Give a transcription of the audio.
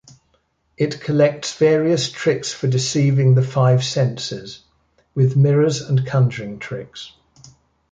It collects various tricks for deceiving the five senses, with mirrors and conjuring tricks.